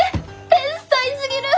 天才すぎる！